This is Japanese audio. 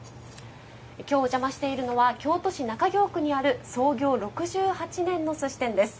今日お邪魔しているのは京都市中京区にある創業６８年の寿司店です。